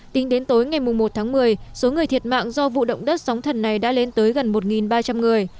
tính đến tối ngày một tháng một mươi số người thiệt mạng do vụ động đất sóng thần này đã lên tới gần một ba trăm linh người